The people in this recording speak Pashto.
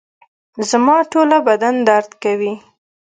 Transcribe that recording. زما ټوله بدن درد کوي